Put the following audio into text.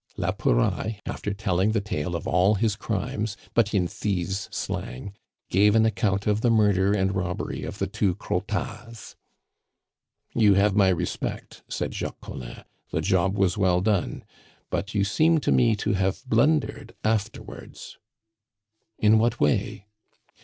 La Pouraille, after telling the tale of all his crimes, but in thieves' slang, gave an account of the murder and robbery of the two Crottats. "You have my respect," said Jacques Collin. "The job was well done; but you seem to me to have blundered afterwards." "In what way?"